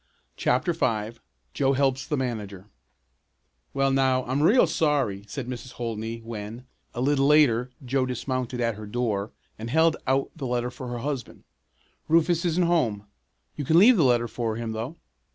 CHAPTER V JOE HELPS THE MANAGER "Well now, I'm real sorry," said Mrs. Holdney when, a little later, Joe dismounted at her door, and held out the letter for her husband. "Rufus isn't home. You can leave the letter for him, though."